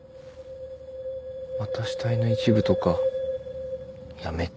また死体の一部とかやめて。